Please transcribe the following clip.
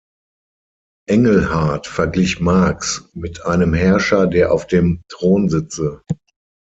Engelhardt verglich Marx mit einem Herrscher, der auf dem Thron sitze.